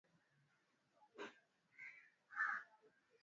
ilikuwa ngumu sana kuishi baada ya kuogelea maji baridi ya atlantiki